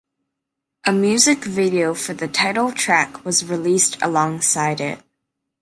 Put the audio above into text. A music video for the title track was released alongside it.